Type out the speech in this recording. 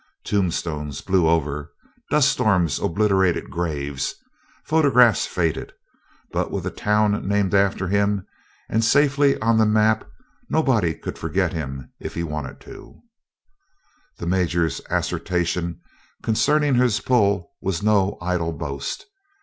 Tombstones blew over, dust storms obliterated graves, photographs faded, but with a town named after him and safely on the map, nobody could forget him if he wanted to. The Major's assertion concerning his "pull" was no idle boast.